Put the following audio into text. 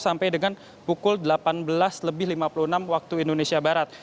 sampai dengan pukul delapan belas lebih lima puluh enam waktu indonesia barat